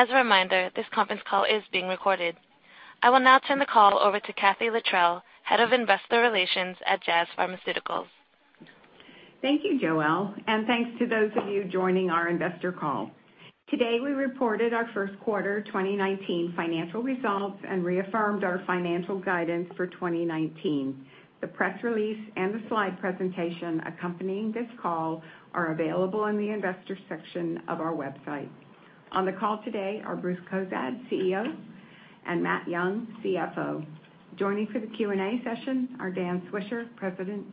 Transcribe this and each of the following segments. As a reminder, this conference call is being recorded. I will now turn the call over to Kathee Littrell, Head of Investor Relations at Jazz Pharmaceuticals. Thank you, Joelle, and thanks to those of you joining our investor call. Today, we reported our first quarter 2019 financial results and reaffirmed our financial guidance for 2019. The press release and the slide presentation accompanying this call are available in the Investor section of our website. On the call today are Bruce Cozadd, CEO, and Matthew Young, CFO. Joining for the Q&A session are Dan Swisher, President,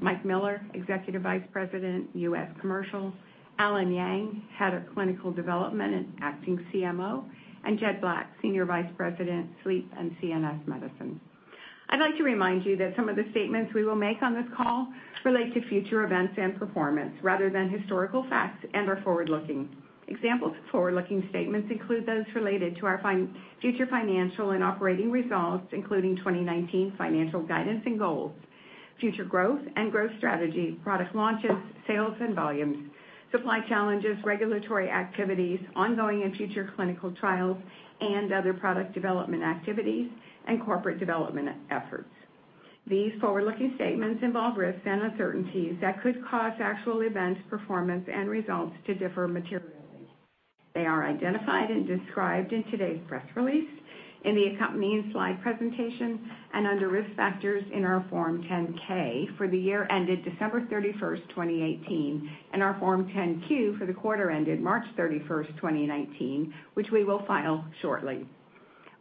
Mike Miller, Executive Vice President, US Commercial, Allen Yang, Head of Clinical Development and Acting CMO, and Jed Black, Senior Vice President, Sleep and CNS Medicine. I'd like to remind you that some of the statements we will make on this call relate to future events and performance rather than historical facts and are forward-looking. Examples of forward-looking statements include those related to our future financial and operating results, including 2019 financial guidance and goals, future growth and growth strategy, product launches, sales and volumes, supply challenges, regulatory activities, ongoing and future clinical trials and other product development activities, and corporate development efforts. These forward-looking statements involve risks and uncertainties that could cause actual events, performance and results to differ materially. They are identified and described in today's press release, in the accompanying slide presentation and under Risk Factors in our Form 10-K for the year ended December 31, 2018, and our Form 10-Q for the quarter ended March 31st, 2019, which we will file shortly.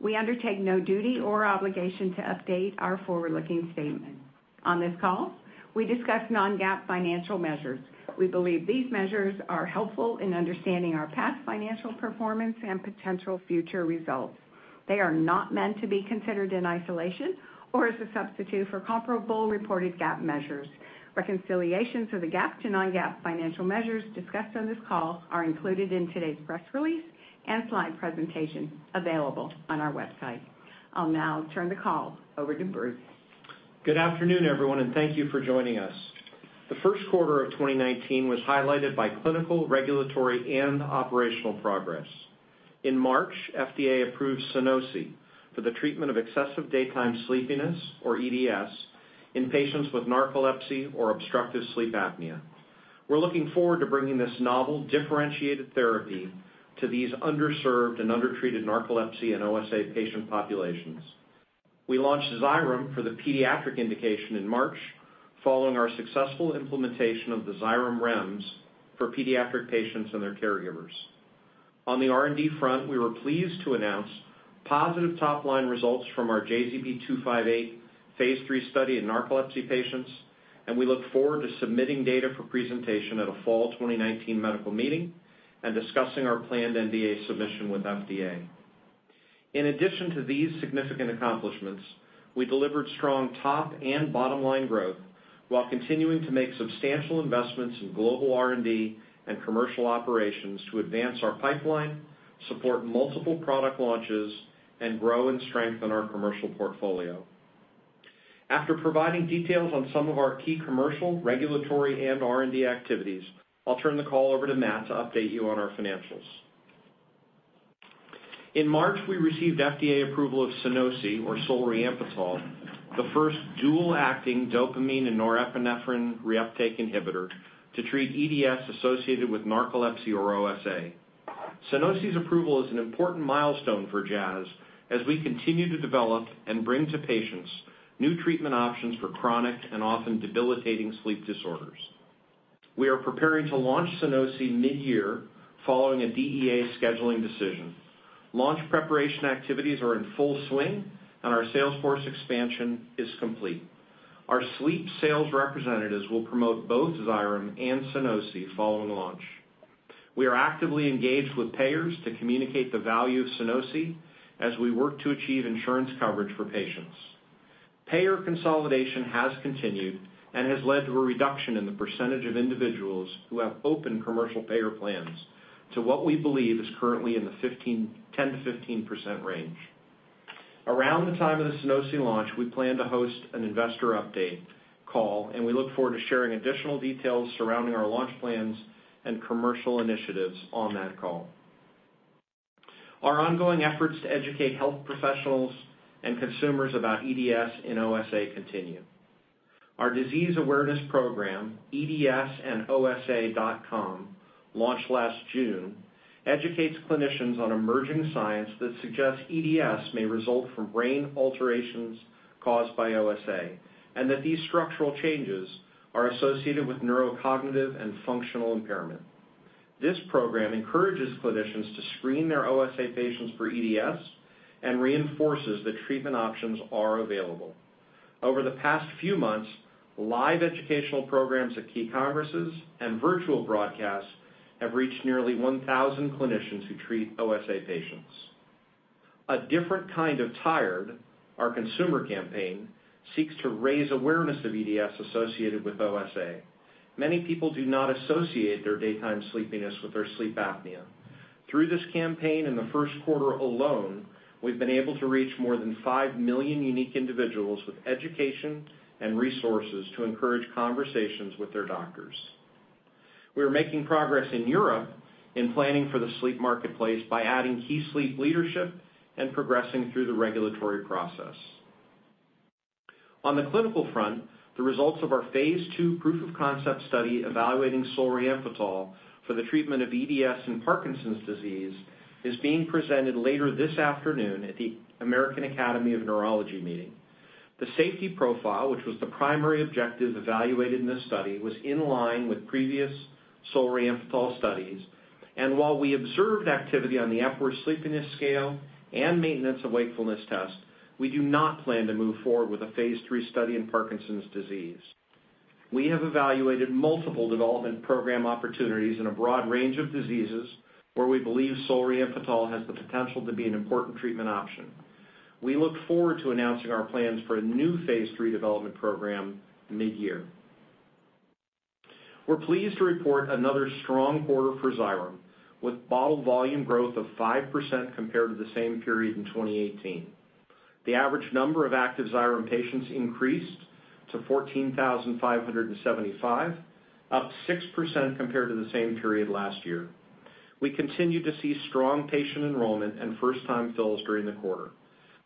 We undertake no duty or obligation to update our forward-looking statement. On this call, we discuss non-GAAP financial measures. We believe these measures are helpful in understanding our past financial performance and potential future results. They are not meant to be considered in isolation or as a substitute for comparable reported GAAP measures. Reconciliations of the GAAP to non-GAAP financial measures discussed on this call are included in today's press release and slide presentation available on our website. I'll now turn the call over to Bruce. Good afternoon, everyone, and thank you for joining us. The first quarter of 2019 was highlighted by clinical, regulatory and operational progress. In March, FDA approved SUNOSI for the treatment of excessive daytime sleepiness or EDS in patients with narcolepsy or obstructive sleep apnea. We're looking forward to bringing this novel differentiated therapy to these underserved and undertreated narcolepsy and OSA patient populations. We launched XYREM for the pediatric indication in March following our successful implementation of the XYREM REMS for pediatric patients and their caregivers. On the R&D front, we were pleased to announce positive top-line results from our JZP-258 phase III study in narcolepsy patients, and we look forward to submitting data for presentation at a fall 2019 medical meeting and discussing our planned NDA submission with FDA. In addition to these significant accomplishments, we delivered strong top and bottom line growth while continuing to make substantial investments in global R&D and commercial operations to advance our pipeline, support multiple product launches, and grow and strengthen our commercial portfolio. After providing details on some of our key commercial, regulatory and R&D activities, I'll turn the call over to Matt to update you on our financials. In March, we received FDA approval of SUNOSI or solriamfetol, the first dual-acting dopamine and norepinephrine reuptake inhibitor to treat EDS associated with narcolepsy or OSA. SUNOSI's approval is an important milestone for Jazz as we continue to develop and bring to patients new treatment options for chronic and often debilitating sleep disorders. We are preparing to launch SUNOSI mid-year following a DEA scheduling decision. Launch preparation activities are in full swing and our sales force expansion is complete. Our sleep sales representatives will promote both XYREM and SUNOSI following launch. We are actively engaged with payers to communicate the value of SUNOSI as we work to achieve insurance coverage for patients. Payer consolidation has continued and has led to a reduction in the percentage of individuals who have open commercial payer plans to what we believe is currently in the 10%-15% range. Around the time of the SUNOSI launch, we plan to host an investor update call, and we look forward to sharing additional details surrounding our launch plans and commercial initiatives on that call. Our ongoing efforts to educate health professionals and consumers about EDS and OSA continue. Our disease awareness program, EDSandOSA.com, launched last June, educates clinicians on emerging science that suggests EDS may result from brain alterations caused by OSA, and that these structural changes are associated with neurocognitive and functional impairment. This program encourages clinicians to screen their OSA patients for EDS and reinforces that treatment options are available. Over the past few months, live educational programs at key congresses and virtual broadcasts have reached nearly 1,000 clinicians who treat OSA patients. A Different Kind of Tired, our consumer campaign, seeks to raise awareness of EDS associated with OSA. Many people do not associate their daytime sleepiness with their sleep apnea. Through this campaign in the first quarter alone, we've been able to reach more than 5 million unique individuals with education and resources to encourage conversations with their doctors. We are making progress in Europe in planning for the sleep marketplace by adding key sleep leadership and progressing through the regulatory process. On the clinical front, the results of our phase II proof of concept study evaluating solriamfetol for the treatment of EDS and Parkinson's disease is being presented later this afternoon at the American Academy of Neurology meeting. The safety profile, which was the primary objective evaluated in this study, was in line with previous solriamfetol studies. While we observed activity on the Epworth Sleepiness Scale and Maintenance of Wakefulness Test, we do not plan to move forward with a phase III study in Parkinson's disease. We have evaluated multiple development program opportunities in a broad range of diseases where we believe solriamfetol has the potential to be an important treatment option. We look forward to announcing our plans for a new phase III development program mid-year. We're pleased to report another strong quarter for XYREM, with bottle volume growth of 5% compared to the same period in 2018. The average number of active XYREM patients increased to 14,575, up 6% compared to the same period last year. We continue to see strong patient enrollment and first-time fills during the quarter.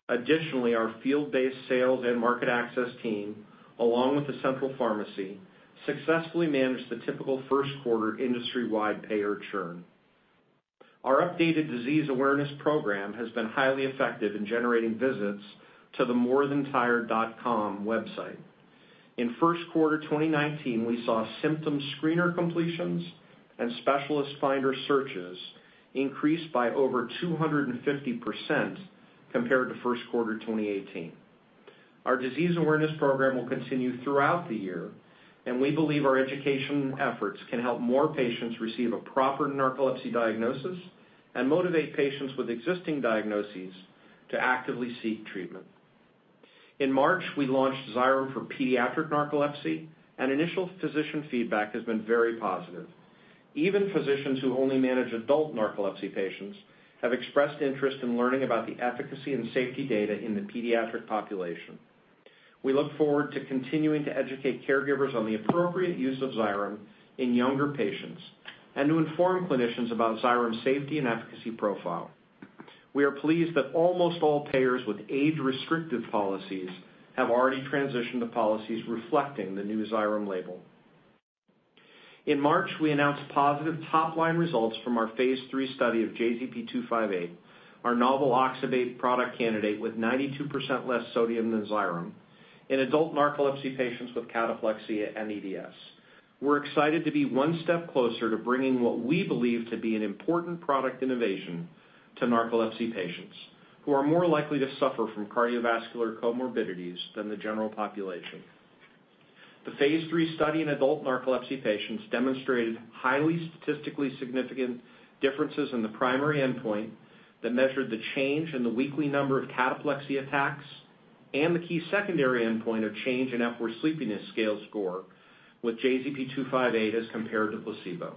Additionally, our field-based sales and market access team, along with the central pharmacy, successfully managed the typical first quarter industry-wide payer churn. Our updated disease awareness program has been highly effective in generating visits to the morethantired.com website. In first quarter 2019, we saw symptom screener completions and specialist finder searches increased by over 250% compared to first quarter 2018. Our disease awareness program will continue throughout the year, and we believe our education efforts can help more patients receive a proper narcolepsy diagnosis and motivate patients with existing diagnoses to actively seek treatment. In March, we launched XYREM for pediatric narcolepsy, and initial physician feedback has been very positive. Even physicians who only manage adult narcolepsy patients have expressed interest in learning about the efficacy and safety data in the pediatric population. We look forward to continuing to educate caregivers on the appropriate use of XYREM in younger patients and to inform clinicians about XYREM's safety and efficacy profile. We are pleased that almost all payers with age-restrictive policies have already transitioned to policies reflecting the new XYREM label. In March, we announced positive top-line results from our phase III study of JZP-258, our novel oxybate product candidate with 92% less sodium than XYREM, in adult narcolepsy patients with cataplexy and EDS. We're excited to be one step closer to bringing what we believe to be an important product innovation to narcolepsy patients who are more likely to suffer from cardiovascular comorbidities than the general population. The phase III study in adult narcolepsy patients demonstrated highly statistically significant differences in the primary endpoint that measured the change in the weekly number of cataplexy attacks and the key secondary endpoint of change in Epworth Sleepiness Scale score with JZP-258 as compared to placebo.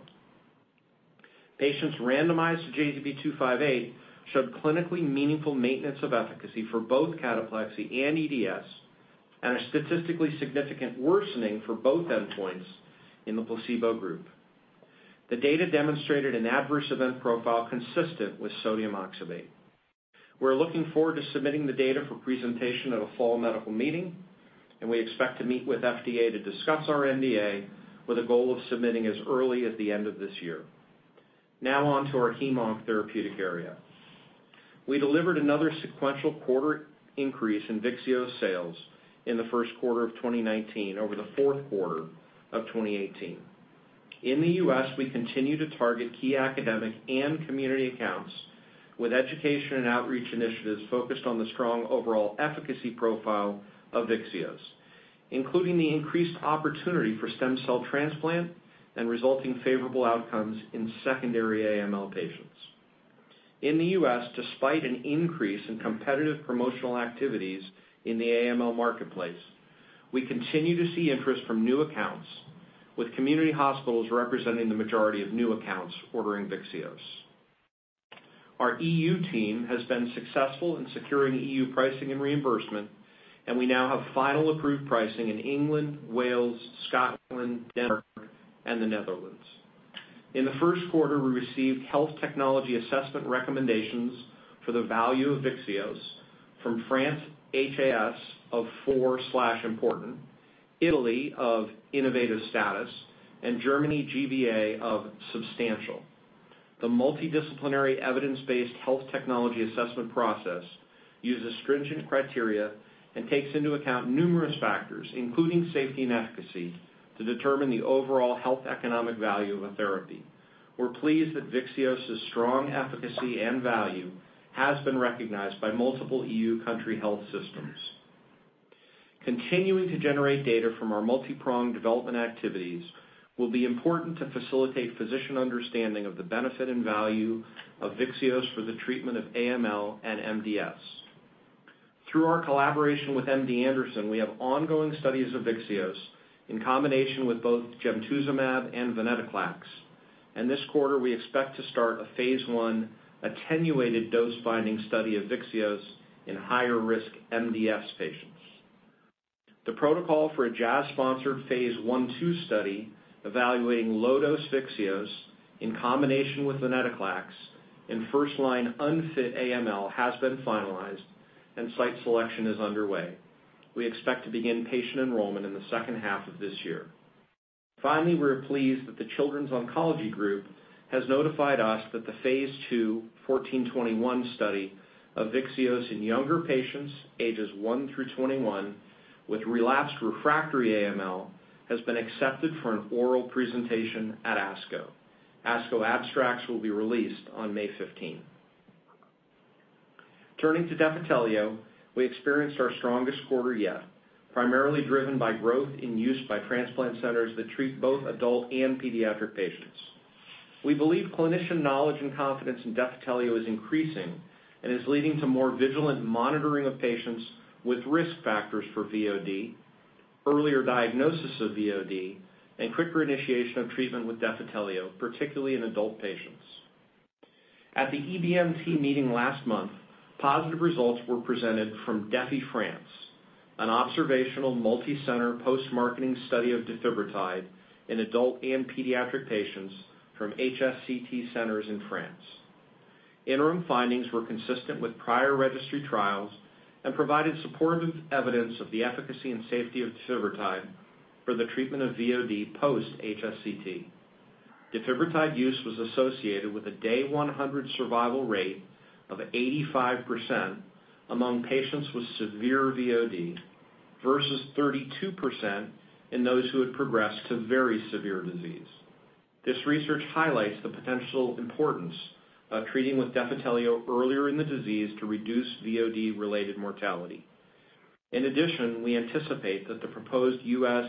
Patients randomized to JZP-258 showed clinically meaningful maintenance of efficacy for both cataplexy and EDS, and a statistically significant worsening for both endpoints in the placebo group. The data demonstrated an adverse event profile consistent with sodium oxybate. We're looking forward to submitting the data for presentation at a fall medical meeting, and we expect to meet with FDA to discuss our NDA with a goal of submitting as early as the end of this year. Now on to our hem-onc therapeutic area. We delivered another sequential quarter increase in VYXEOS sales in the first quarter of 2019 over the fourth quarter of 2018. In the U.S., we continue to target key academic and community accounts with education and outreach initiatives focused on the strong overall efficacy profile of VYXEOS, including the increased opportunity for stem cell transplant and resulting favorable outcomes in secondary AML patients. In the U.S., despite an increase in competitive promotional activities in the AML marketplace, we continue to see interest from new accounts, with community hospitals representing the majority of new accounts ordering VYXEOS. Our EU team has been successful in securing EU pricing and reimbursement, and we now have final approved pricing in England, Wales, Scotland, Denmark, and the Netherlands. In the first quarter, we received health technology assessment recommendations for the value of VYXEOS from France HAS of 4/important, Italy of innovative status, and Germany G-BA of substantial. The multidisciplinary evidence-based health technology assessment process uses stringent criteria and takes into account numerous factors, including safety and efficacy, to determine the overall health economic value of a therapy. We're pleased that VYXEOS' strong efficacy and value has been recognized by multiple EU country health systems. Continuing to generate data from our multipronged development activities will be important to facilitate physician understanding of the benefit and value of VYXEOS for the treatment of AML and MDS. Through our collaboration with MD Anderson, we have ongoing studies of VYXEOS in combination with both gemtuzumab and venetoclax. This quarter, we expect to start a phase I attenuated dose-finding study of VYXEOS in higher-risk MDS patients. The protocol for a Jazz-sponsored phase I/II study evaluating low-dose VYXEOS in combination with venetoclax in first-line unfit AML has been finalized, and site selection is underway. We expect to begin patient enrollment in the second half of this year. Finally, we're pleased that the Children's Oncology Group has notified us that the phase II 1421 study of VYXEOS in younger patients ages one through 21 with relapsed refractory AML has been accepted for an oral presentation at ASCO. ASCO abstracts will be released on May 15th. Turning to Defitelio, we experienced our strongest quarter yet, primarily driven by growth in use by transplant centers that treat both adult and pediatric patients. We believe clinician knowledge and confidence in Defitelio is increasing and is leading to more vigilant monitoring of patients with risk factors for VOD, earlier diagnosis of VOD, and quicker initiation of treatment with Defitelio, particularly in adult patients. At the EBMT meeting last month, positive results were presented from DEFIFrance, an observational multicenter post-marketing study of defibrotide in adult and pediatric patients from HSCT centers in France. Interim findings were consistent with prior registry trials and provided supportive evidence of the efficacy and safety of defibrotide for the treatment of VOD post-HSCT. Defibrotide use was associated with a day 100 survival rate of 85% among patients with severe VOD versus 32% in those who had progressed to very severe disease. This research highlights the potential importance of treating with Defitelio earlier in the disease to reduce VOD-related mortality. In addition, we anticipate that the proposed U.S.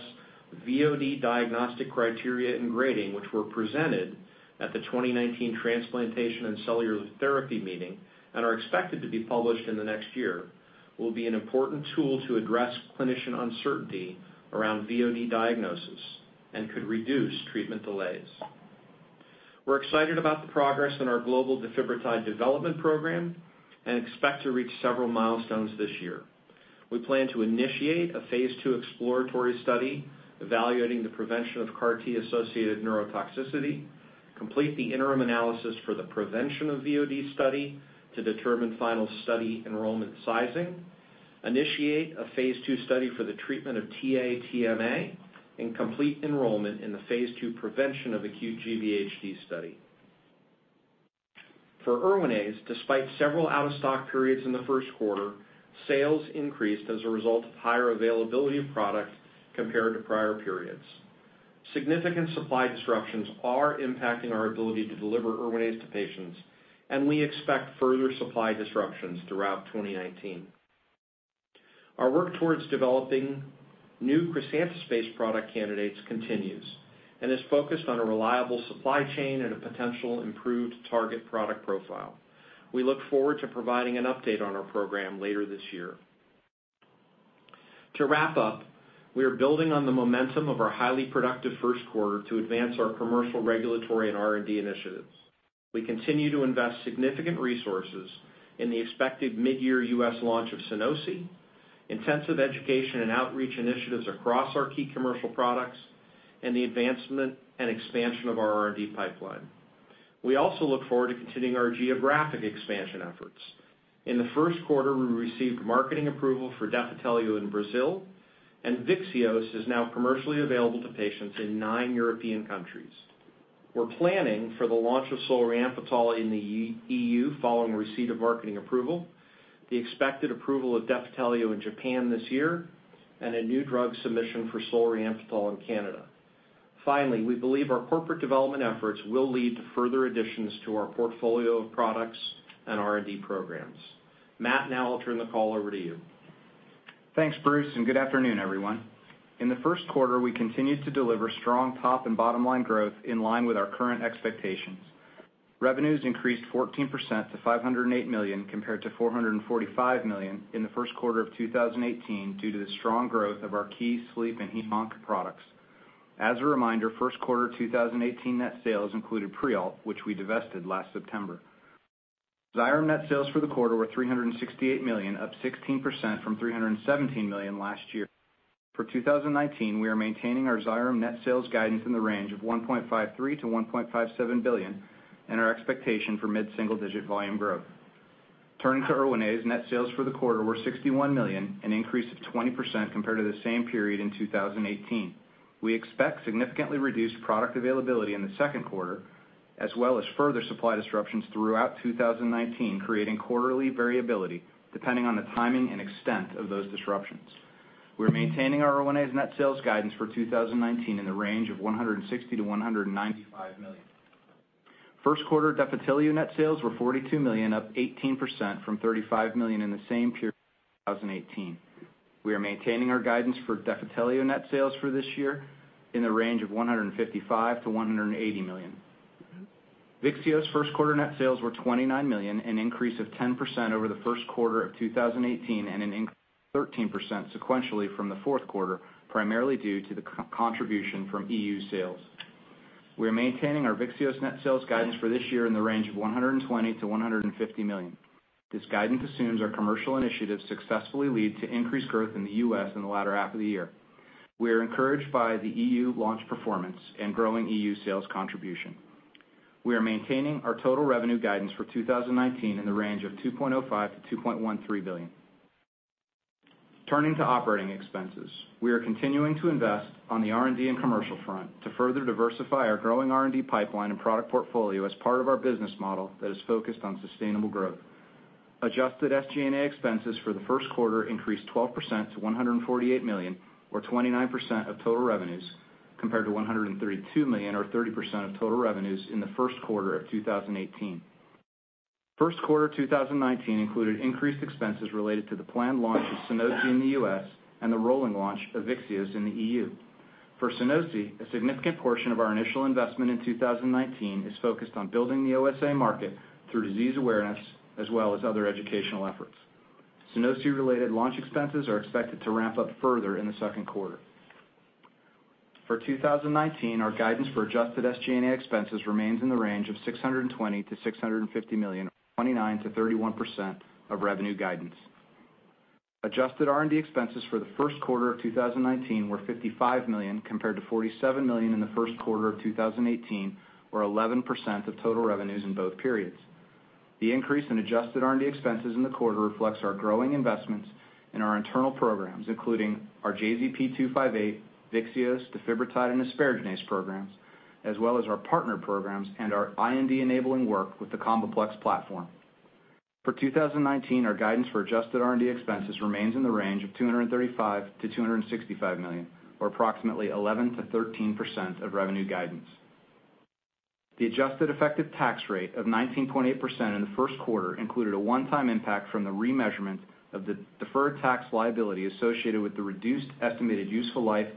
VOD diagnostic criteria and grading, which were presented at the 2019 Transplantation and Cellular Therapy meeting and are expected to be published in the next year, will be an important tool to address clinician uncertainty around VOD diagnosis and could reduce treatment delays. We're excited about the progress in our global defibrotide development program and expect to reach several milestones this year. We plan to initiate a phase II exploratory study evaluating the prevention of CAR T-associated neurotoxicity, complete the interim analysis for the prevention of VOD study to determine final study enrollment sizing, initiate a phase II study for the treatment of TA-TMA, and complete enrollment in the phase II prevention of acute GVHD study. For Erwinaze, despite several out-of-stock periods in the first quarter, sales increased as a result of higher availability of product compared to prior periods. Significant supply disruptions are impacting our ability to deliver Erwinaze to patients, and we expect further supply disruptions throughout 2019. Our work towards developing new crisantaspase-based product candidates continues and is focused on a reliable supply chain and a potential improved target product profile. We look forward to providing an update on our program later this year. To wrap up, we are building on the momentum of our highly productive first quarter to advance our commercial regulatory and R&D initiatives. We continue to invest significant resources in the expected midyear U.S. launch of SUNOSI, intensive education and outreach initiatives across our key commercial products, and the advancement and expansion of our R&D pipeline. We also look forward to continuing our geographic expansion efforts. In the first quarter, we received marketing approval for Defitelio in Brazil, and VYXEOS is now commercially available to patients in nine European countries. We're planning for the launch of solriamfetol in the E.U. following receipt of marketing approval, the expected approval of Defitelio in Japan this year, and a new drug submission for solriamfetol in Canada. Finally, we believe our corporate development efforts will lead to further additions to our portfolio of products and R&D programs. Matt, now I'll turn the call over to you. Thanks, Bruce, and good afternoon, everyone. In the first quarter, we continued to deliver strong top and bottom-line growth in line with our current expectations. Revenues increased 14% to $508 million compared to $445 million in the first quarter of 2018 due to the strong growth of our key sleep and hem-onc products. As a reminder, first quarter 2018 net sales included Prialt, which we divested last September. XYREM net sales for the quarter were $368 million, up 16% from $317 million last year. For 2019, we are maintaining our XYREM net sales guidance in the range of $1.53 billion-$1.57 billion and our expectation for mid-single-digit volume growth. Turning to Erwinaze, net sales for the quarter were $61 million, an increase of 20% compared to the same period in 2018. We expect significantly reduced product availability in the second quarter as well as further supply disruptions throughout 2019, creating quarterly variability depending on the timing and extent of those disruptions. We're maintaining our Erwinaze net sales guidance for 2019 in the range of $160 million-$195 million. First quarter Defitelio net sales were $42 million, up 18% from $35 million in the same period in 2018. We are maintaining our guidance for Defitelio net sales for this year in the range of $155 million-$180 million. VYXEOS first quarter net sales were $29 million, an increase of 10% over the first quarter of 2018 and an increase of 13% sequentially from the fourth quarter, primarily due to the contribution from EU sales. We're maintaining our VYXEOS net sales guidance for this year in the range of $120 million-$150 million. This guidance assumes our commercial initiatives successfully lead to increased growth in the U.S. in the latter half of the year. We are encouraged by the EU launch performance and growing E.U. sales contribution. We're maintaining our total revenue guidance for 2019 in the range of $2.05 billion-$2.13 billion. Turning to operating expenses, we are continuing to invest on the R&D and commercial front to further diversify our growing R&D pipeline and product portfolio as part of our business model that is focused on sustainable growth. Adjusted SG&A expenses for the first quarter increased 12% to $148 million or 29% of total revenues, compared to $132 million or 30% of total revenues in the first quarter of 2018. First quarter 2019 included increased expenses related to the planned launch of SUNOSI in the U.S. and the rolling launch of VYXEOS in the E.U. For SUNOSI, a significant portion of our initial investment in 2019 is focused on building the OSA market through disease awareness as well as other educational efforts. SUNOSI-related launch expenses are expected to ramp up further in the second quarter. For 2019, our guidance for adjusted SG&A expenses remains in the range of $620 million-$650 million, 29%-31% of revenue guidance. Adjusted R&D expenses for the first quarter of 2019 were $55 million compared to $47 million in the first quarter of 2018, or 11% of total revenues in both periods. The increase in adjusted R&D expenses in the quarter reflects our growing investments in our internal programs, including our JZP-258, VYXEOS, defibrotide, and asparaginase programs, as well as our partner programs and our IND-enabling work with the CombiPlex platform. For 2019, our guidance for adjusted R&D expenses remains in the range of $235 million-$265 million, or approximately 11%-13% of revenue guidance. The adjusted effective tax rate of 19.8% in the first quarter included a one-time impact from the remeasurement of the deferred tax liability associated with the reduced estimated useful life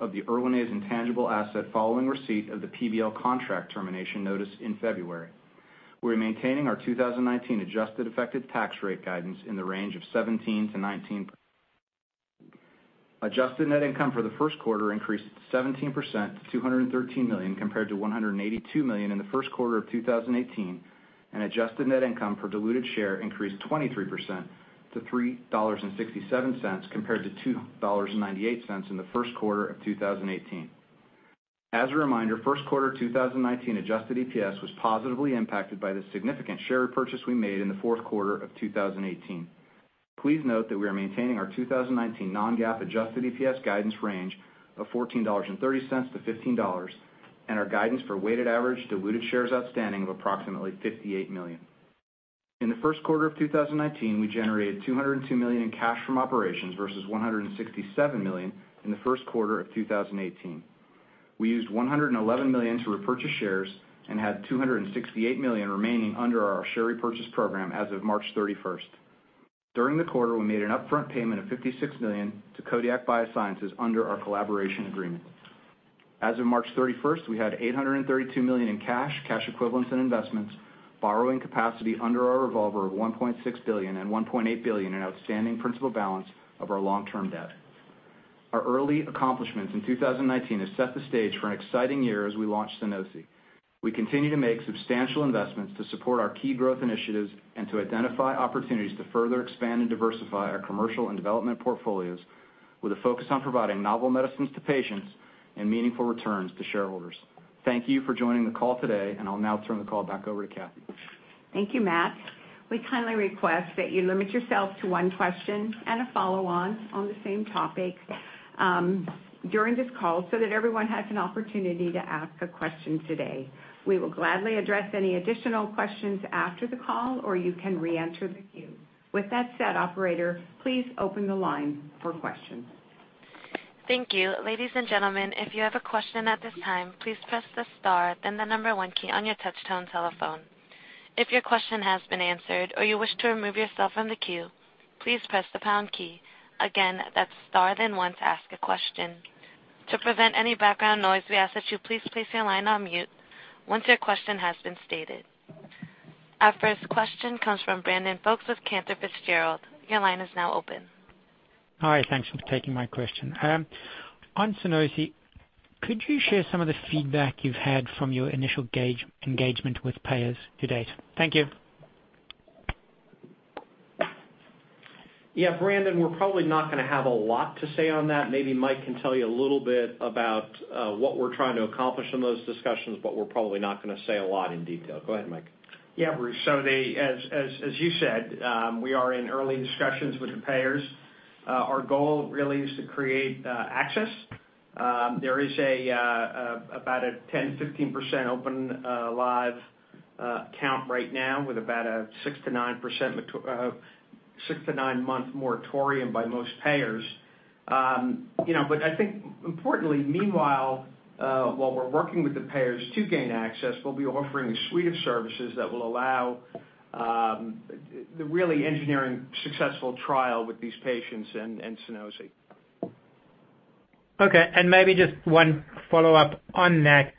of the Erwinaze intangible asset following receipt of the PBL contract termination notice in February. We're maintaining our 2019 adjusted effective tax rate guidance in the range of 17%-19%. Adjusted net income for the first quarter increased 17% to $213 million, compared to $182 million in the first quarter of 2018, and adjusted net income per diluted share increased 23% to $3.67 compared to $2.98 in the first quarter of 2018. As a reminder, first quarter 2019 adjusted EPS was positively impacted by the significant share purchase we made in the fourth quarter of 2018. Please note that we are maintaining our 2019 non-GAAP adjusted EPS guidance range of $14.30-$15.00, and our guidance for weighted average diluted shares outstanding of approximately 58 million. In the first quarter of 2019, we generated $202 million in cash from operations versus $167 million in the first quarter of 2018. We used $111 million to repurchase shares and had $268 million remaining under our share repurchase program as of March 31st. During the quarter, we made an upfront payment of $56 million to Codiak BioSciences under our collaboration agreement. As of March 31st, we had $832 million in cash equivalents and investments, borrowing capacity under our revolver of $1.6 billion and $1.8 billion in outstanding principal balance of our long-term debt. Our early accomplishments in 2019 has set the stage for an exciting year as we launch SUNOSI. We continue to make substantial investments to support our key growth initiatives and to identify opportunities to further expand and diversify our commercial and development portfolios with a focus on providing novel medicines to patients and meaningful returns to shareholders. Thank you for joining the call today, and I'll now turn the call back over to Kathee. Thank you, Matt. We kindly request that you limit yourself to one question and a follow-on on the same topic, during this call, so that everyone has an opportunity to ask a question today. We will gladly address any additional questions after the call, or you can reenter the queue. With that said, Operator, please open the line for questions. Thank you. Ladies and gentlemen, if you have a question at this time, please press the star then the number one key on your touch tone telephone. If your question has been answered or you wish to remove yourself from the queue, please press the pound key. Again, that's star then one to ask a question. To prevent any background noise, we ask that you please place your line on mute once your question has been stated. Our first question comes from Brandon Folkes with Cantor Fitzgerald. Your line is now open. Hi. Thanks for taking my question. On SUNOSI, could you share some of the feedback you've had from your initial engagement with payers to date? Thank you. Yeah, Brandon, we're probably not gonna have a lot to say on that. Maybe Mike can tell you a little bit about what we're trying to accomplish in those discussions, but we're probably not gonna say a lot in detail. Go ahead, Mike. Yeah, Bruce. As you said, we are in early discussions with the payers. Our goal really is to create access. There is about a 10%-15% open-line count right now with about six- to nine-month moratorium by most payers. You know, but I think importantly, meanwhile, while we're working with the payers to gain access, we'll be offering a suite of services that will allow really engineering successful trial with these patients and SUNOSI. Okay, maybe just one follow-up on that,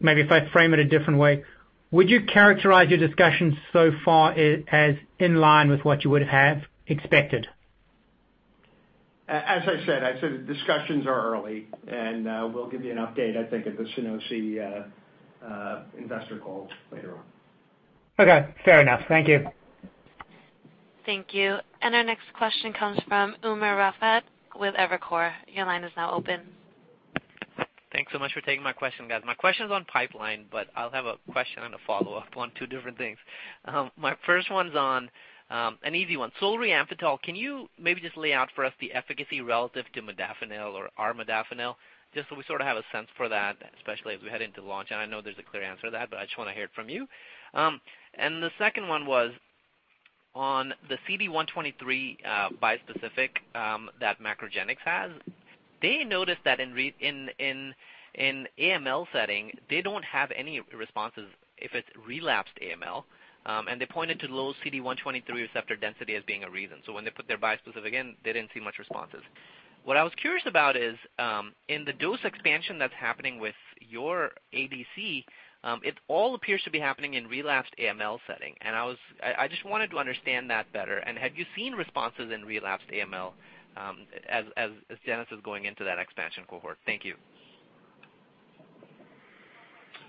maybe if I frame it a different way. Would you characterize your discussions so far as in line with what you would have expected? As I said, the discussions are early, and we'll give you an update, I think, at the SUNOSI investor call later on. Okay, fair enough. Thank you. Thank you. Our next question comes from Umer Raffat with Evercore. Your line is now open. Thanks so much for taking my question, guys. My question is on pipeline, but I'll have a question and a follow-up on two different things. My first one's on an easy one. Solriamfetol, can you maybe just lay out for us the efficacy relative to modafinil or armodafinil, just so we sort of have a sense for that, especially as we head into launch? I know there's a clear answer to that, but I just wanna hear it from you. The second one was on the CD123 bispecific that MacroGenics has. They noticed that in AML setting, they don't have any responses if it's relapsed AML, and they pointed to low CD123 receptor density as being a reason. When they put their bispecific in, they didn't see much responses. What I was curious about is in the dose expansion that's happening with your ADC, it all appears to be happening in relapsed AML setting. I just wanted to understand that better. Have you seen responses in relapsed AML, as Jazz is going into that expansion cohort? Thank you.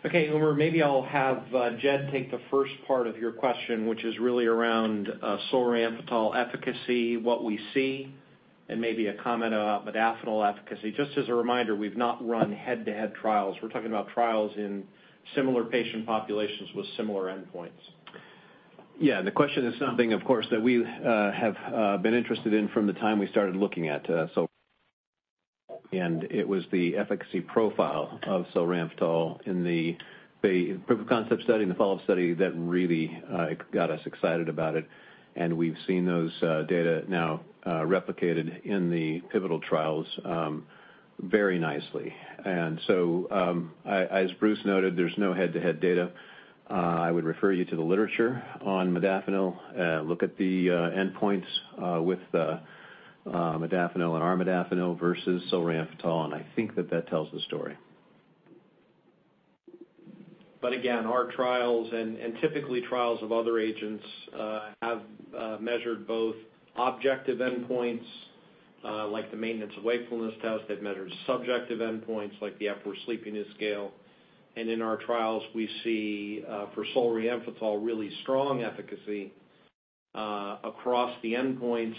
Okay. Umer, maybe I'll have Jed take the first part of your question, which is really around solriamfetol efficacy, what we see, and maybe a comment about modafinil efficacy. Just as a reminder, we've not run head-to-head trials. We're talking about trials in similar patient populations with similar endpoints. Yeah. The question is something, of course, that we have been interested in from the time we started looking at solriamfetol. It was the efficacy profile of solriamfetol in the proof-of-concept study and the follow-up study that really got us excited about it, and we've seen those data now replicated in the pivotal trials very nicely. As Bruce noted, there's no head-to-head data. I would refer you to the literature on modafinil. Look at the endpoints with modafinil and armodafinil versus solriamfetol, and I think that tells the story. Again, our trials and typically trials of other agents have measured both objective endpoints like the Maintenance of Wakefulness Test. They've measured subjective endpoints like the Epworth Sleepiness Scale. In our trials we see for solriamfetol really strong efficacy across the endpoints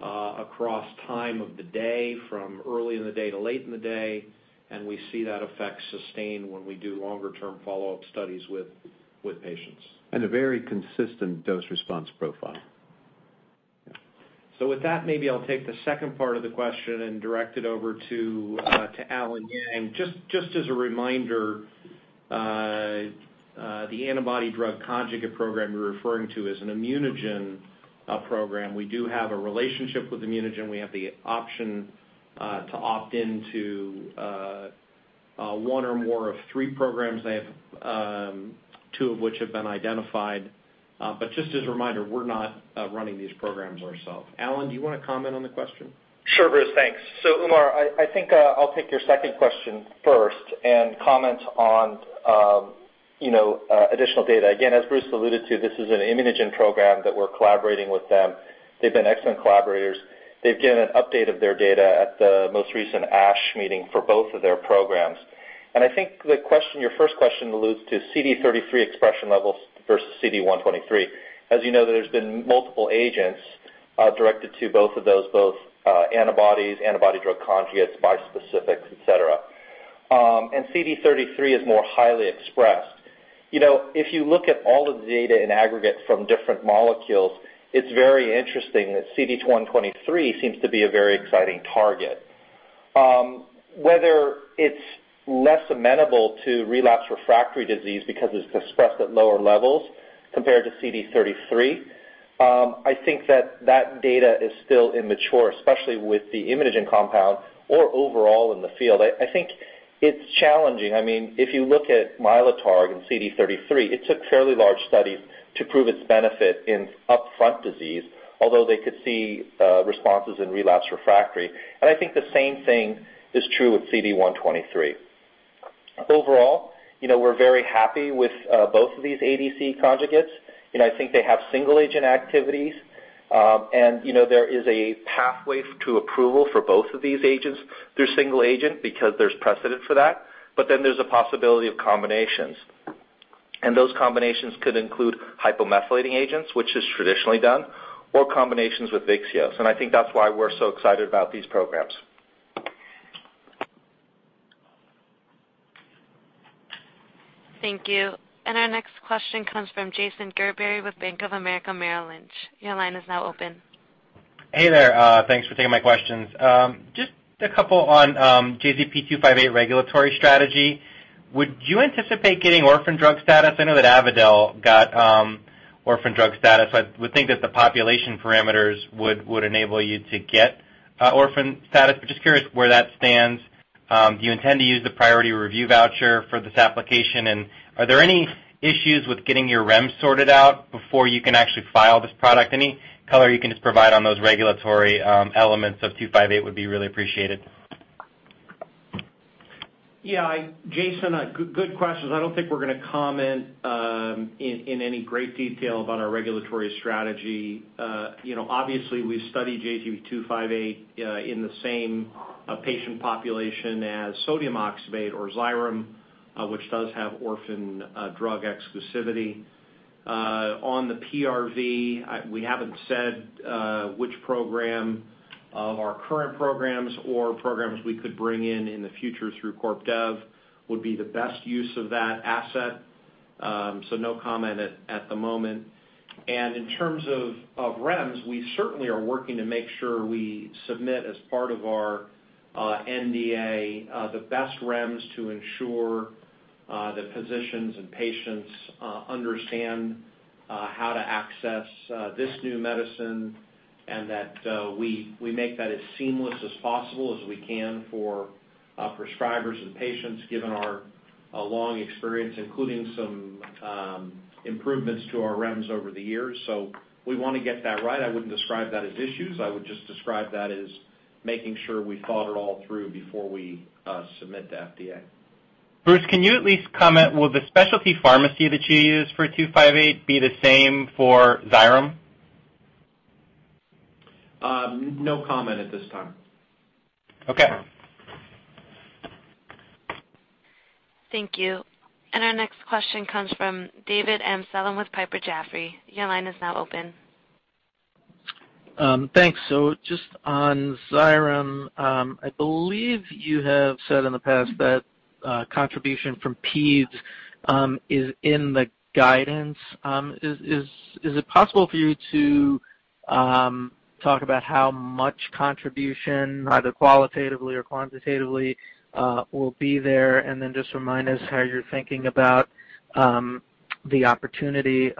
across time of the day from early in the day to late in the day. We see that effect sustained when we do longer term follow-up studies with patients. A very consistent dose-response profile. With that, maybe I'll take the second part of the question and direct it over to Allen Yang. Just as a reminder, the antibody-drug conjugate program you're referring to is an ImmunoGen program. We do have a relationship with ImmunoGen. We have the option to opt into one or more of three programs they have, two of which have been identified. But just as a reminder, we're not running these programs ourselves. Allen, do you wanna comment on the question? Sure, Bruce. Thanks. Umer, I think I'll take your second question first and comment on, you know, additional data. Again, as Bruce alluded to, this is an ImmunoGen program that we're collaborating with them. They've been excellent collaborators. They've given an update of their data at the most recent ASH meeting for both of their programs. I think the question, your first question alludes to CD33 expression levels versus CD123. As you know, there's been multiple agents directed to both of those, both antibodies, antibody drug conjugates, bispecifics, et cetera. CD33 is more highly expressed. You know, if you look at all of the data in aggregate from different molecules, it's very interesting that CD123 seems to be a very exciting target. Whether it's less amenable to relapse refractory disease because it's expressed at lower levels compared to CD33, I think that data is still immature, especially with the ImmunoGen compound or overall in the field. I think it's challenging. I mean, if you look at Mylotarg and CD33, it took fairly large studies to prove its benefit in upfront disease, although they could see responses in relapse refractory. I think the same thing is true with CD123. Overall, you know, we're very happy with both of these ADC conjugates. You know, I think they have single agent activities. You know, there is a pathway to approval for both of these agents through single agent because there's precedent for that. There's a possibility of combinations, and those combinations could include hypomethylating agents, which is traditionally done or combinations with VYXEOS, and I think that's why we're so excited about these programs. Thank you. Our next question comes from Jason Gerberry with Bank of America Merrill Lynch. Your line is now open. Hey there. Thanks for taking my questions. Just a couple on JZP-258 regulatory strategy. Would you anticipate getting orphan drug status? I know that Avadel got orphan drug status. I would think that the population parameters would enable you to get orphan status, but just curious where that stands. Do you intend to use the priority review voucher for this application? Are there any issues with getting your REMS sorted out before you can actually file this product? Any color you can just provide on those regulatory elements of 258 would be really appreciated. Yeah, Jason, a good question. I don't think we're gonna comment in any great detail about our regulatory strategy. You know, obviously, we studied JZP-258 in the same patient population as sodium oxybate or XYREM, which does have orphan drug exclusivity. On the PRV, we haven't said which program of our current programs or programs we could bring in the future through corp dev would be the best use of that asset. No comment at the moment. In terms of REMS, we certainly are working to make sure we submit as part of our NDA the best REMS to ensure that physicians and patients understand how to access this new medicine and that we make that as seamless as possible as we can for prescribers and patients, given our long experience, including some improvements to our REMS over the years. We wanna get that right. I wouldn't describe that as issues. I would just describe that as making sure we thought it all through before we submit to FDA. Bruce, can you at least comment, will the specialty pharmacy that you use for JZP-258 be the same for XYREM? No comment at this time. Okay. Thank you. Our next question comes from David Amsellem with Piper Jaffray. Your line is now open. Thanks. Just on XYREM, I believe you have said in the past that contribution from peds is in the guidance. Is it possible for you to talk about how much contribution, either qualitatively or quantitatively, will be there? Then just remind us how you're thinking about the opportunity.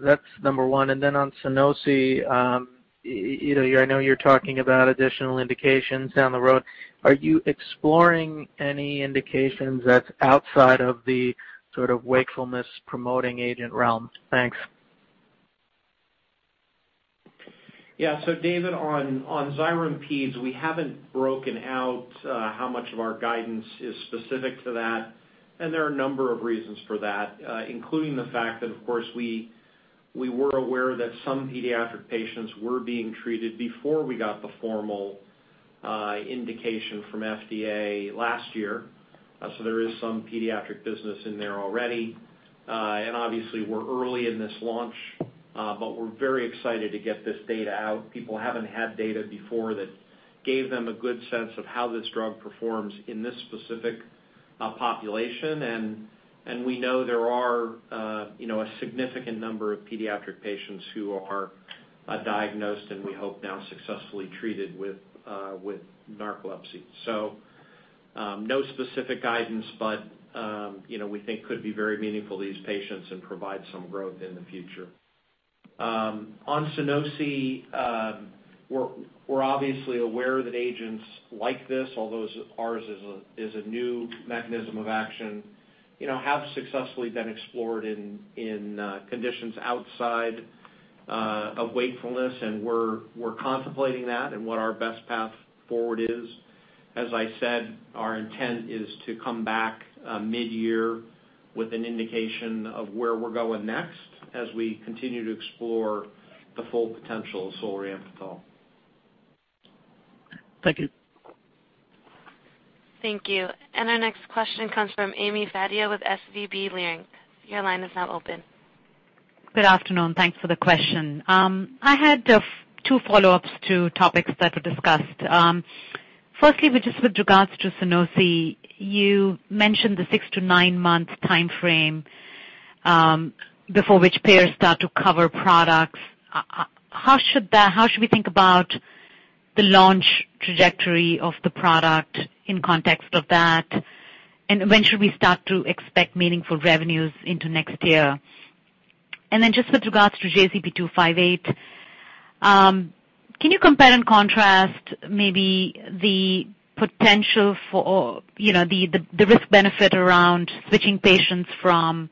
That's number one. Then on SUNOSI, you know, I know you're talking about additional indications down the road. Are you exploring any indications that's outside of the sort of wakefulness promoting agent realm? Thanks. Yeah. David, on XYREM peds, we haven't broken out how much of our guidance is specific to that, and there are a number of reasons for that, including the fact that, of course, we were aware that some pediatric patients were being treated before we got the formal indication from FDA last year. There is some pediatric business in there already. Obviously, we're early in this launch, but we're very excited to get this data out. People haven't had data before that gave them a good sense of how this drug performs in this specific population. We know there are, you know, a significant number of pediatric patients who are diagnosed and we hope now successfully treated, with narcolepsy. No specific guidance, but, you know, we think could be very meaningful to these patients and provide some growth in the future. On SUNOSI, we're obviously aware that agents like this, although ours is a new mechanism of action, you know, have successfully been explored in conditions outside of wakefulness, and we're contemplating that and what our best path forward is. As I said, our intent is to come back mid-year with an indication of where we're going next as we continue to explore the full potential of solriamfetol. Thank you. Thank you. Our next question comes from Ami Fadia with SVB Leerink. Your line is now open. Good afternoon. Thanks for the question. I had two follow-ups to topics that were discussed. Firstly, with regards to SUNOSI, you mentioned the six to nine months timeframe before which payers start to cover products. How should we think about the launch trajectory of the product in context of that? When should we start to expect meaningful revenues into next year? Then just with regards to JZP-258, can you compare and contrast maybe the potential for, you know, the risk benefit around switching patients from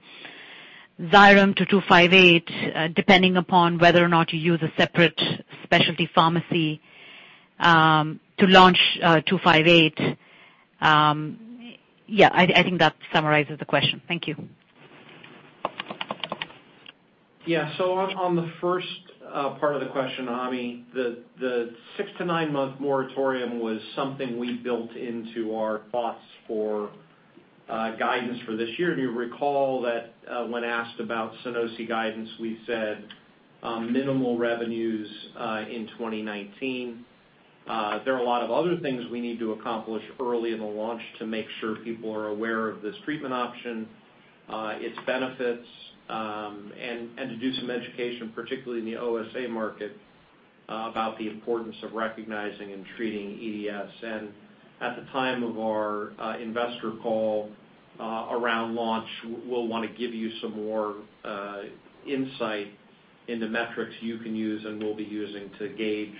XYREM to JZP-258, depending upon whether or not you use a separate specialty pharmacy to launch JZP-258? Yeah, I think that summarizes the question. Thank you. On the first part of the question, Ami, the six- to nine-month moratorium was something we built into our thoughts for guidance for this year. You recall that, when asked about SUNOSI guidance, we said minimal revenues in 2019. There are a lot of other things we need to accomplish early in the launch to make sure people are aware of this treatment option, its benefits, and to do some education, particularly in the OSA market, about the importance of recognizing and treating EDS. At the time of our investor call around launch, we'll wanna give you some more insight into the metrics you can use and we'll be using to gauge